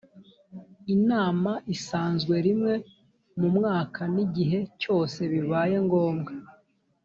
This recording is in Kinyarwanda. inama isanzwe rimwe mu mwaka n’igihe cyose bibaye ngombwa